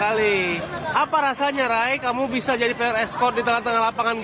lima kali apa rasanya ray kamu bisa jadi perempuan eskod di tangan tangan lapangan